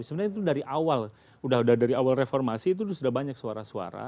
sebenarnya itu dari awal udah dari awal reformasi itu sudah banyak suara suara